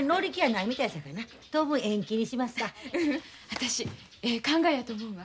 私ええ考えやと思うわ。